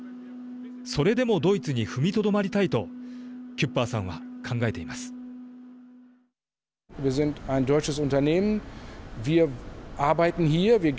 それでもドイツに踏みとどまりたいとキュッパーさんは考えています。